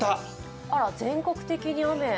あら、全国的に雨。